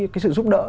cái sự giúp đỡ